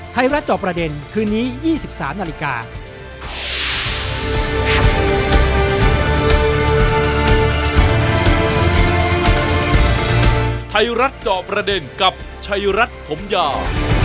จอบประเด็นคืนนี้๒๓นาฬิกา